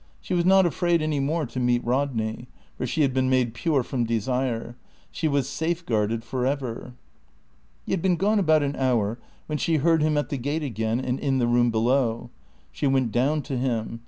She was not afraid any more to meet Rodney; for she had been made pure from desire; she was safeguarded forever. He had been gone about an hour when she heard him at the gate again and in the room below. She went down to him.